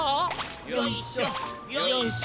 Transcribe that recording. よいしょよいしょ。